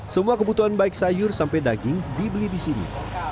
semua kebutuhan baik sayur sampai daging dibeli di sini